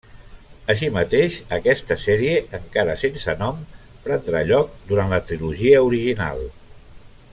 Així mateix, aquesta sèrie, encara sense nom, prendrà lloc durant la trilogia original.